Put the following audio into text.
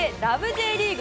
Ｊリーグ